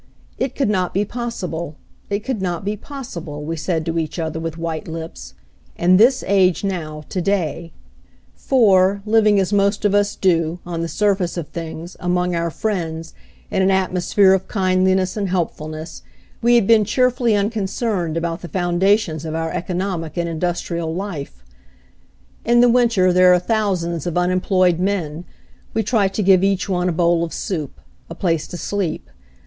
It could not be possible, it could not be possible, we said to each other with white lips — in this age, now, to day — For, living as most of us do, on the surface of 173 174 HENRY FORD'S OWN STORY things, among our friends, in an atmosphere of kindliness and helpfulness, we had been cheer fully unconcerned about the foundations of our economic and industrial life. In the winter there are thousands of unem ployed men — we try to give each one a bowl of soup, a place to sleep.